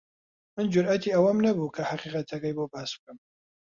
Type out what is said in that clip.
من جورئەتی ئەوەم نەبوو کە حەقیقەتەکەی بۆ باس بکەم.